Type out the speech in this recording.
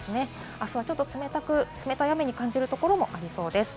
あすはちょっと冷たい雨に感じるところもありそうです。